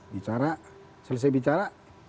bicara selesai bicara